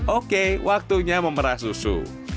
oke waktunya memerah susu